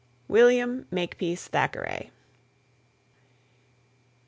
WILLIAM MAKEPEACE THACKERAY.